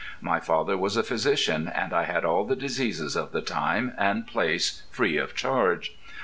My father was a physician, and I had all the diseases of the time and place free of charge.